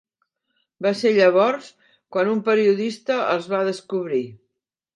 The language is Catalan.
Va ser llavors quan un periodista els va descobrir.